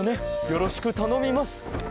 よろしくたのみます。